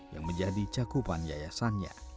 yang menjadi cakupan yayasannya